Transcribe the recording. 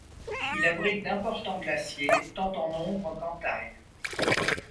Il abrite d'importants glaciers, tant en nombre qu'en taille.